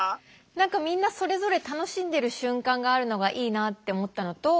何かみんなそれぞれ楽しんでる瞬間があるのがいいなって思ったのと